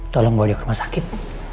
tolong bawa dia ke rumah sakit